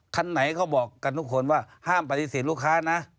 คันไหนเขาบอกกันทุกคนว่าห้ามปฏิเสธลูกค้านะ